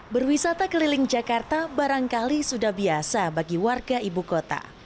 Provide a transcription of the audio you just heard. berwisata keliling jakarta barangkali sudah biasa bagi warga ibu kota